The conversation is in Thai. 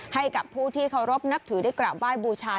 ให้กับผู้ที่เคารพนับถือได้กราบไหว้บูชา